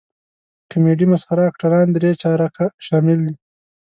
کمیډي مسخره اکټران درې چارکه شامل دي.